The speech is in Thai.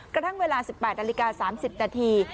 กระทั่งเวลา๑๘นาฬิกา๓๐นาที